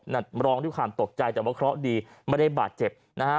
ร้องด้วยความตกใจแต่ว่าเคราะห์ดีไม่ได้บาดเจ็บนะฮะ